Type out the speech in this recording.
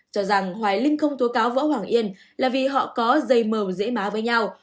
cho rằng hoài linh không tố cáo võ hoàng yên là vì họ có dây mờ dễ má với nhau